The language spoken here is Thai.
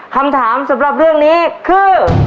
คำถามสำหรับเรื่องนี้คือ